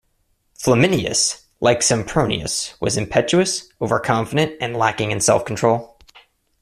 Flaminius, like Sempronius, was impetuous, overconfident, and lacking in self-control.